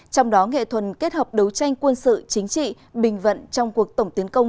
trong đó nghệ thuật kết hợp đấu tranh quân sự chính trị bình vận trong cuộc tổng tiến công